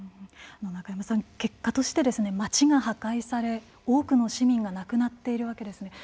中山さん結果として街が破壊され多くの市民が亡くなっているわけです。